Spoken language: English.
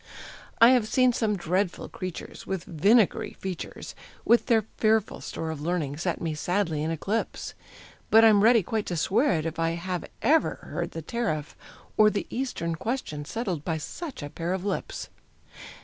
I have seen some dreadful creatures, with vinegary features, With their fearful store of learning set me sadly in eclipse; But I'm ready quite to swear if I have ever heard the Tariff Or the Eastern Question settled by such a pair of lips.